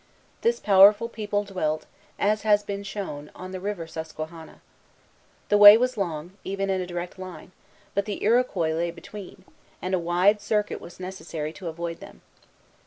This powerful people dwelt, as has been shown, on the River Susquehanna. The way was long, even in a direct line; but the Iroquois lay between, and a wide circuit was necessary to avoid them.